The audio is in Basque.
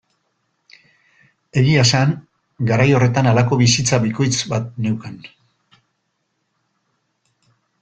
Egia esan garai horretan halako bizitza bikoitz bat neukan.